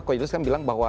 ko yudus kan bilang bahwa